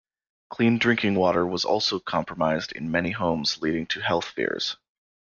Clean drinking water was also compromised in many homes leading to health fears.